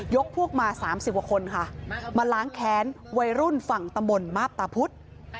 พวกมา๓๐กว่าคนค่ะมาล้างแค้นวัยรุ่นฝั่งตำบลมาบตาพุธ